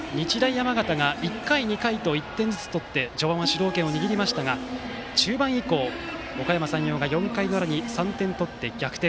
山形が１回、２回と１点ずつ取って序盤、主導権を握りましたが中盤以降におかやま山陽が４回の裏に３点取って逆転。